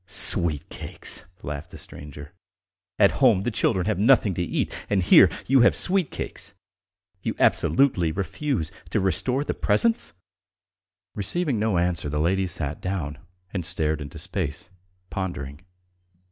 "Sweet cakes!" laughed the stranger. "At home the children have nothing to eat, and here you have sweet cakes. You absolutely refuse to restore the presents?" Receiving no answer, the lady sat down and stared into space, pondering.